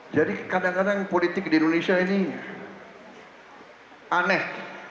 jadi kadang kadang politik di indonesia ini aneh